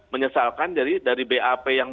menyesalkan dari bap yang